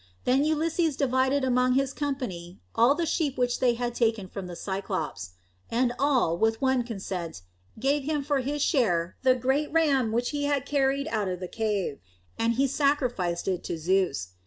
Then Ulysses divided among his company all the sheep which they had taken from the Cyclops. And all, with one consent, gave him for his share the great ram which had carried him out of the cave, and he sacrificed it to Zeus.